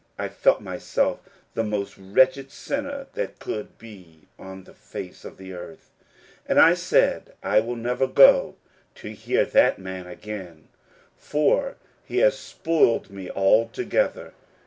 I felt myself the most wretched sinner that could be on the face of the earth, and I said I will never go to hear that man again, for he has spoiled me altogether."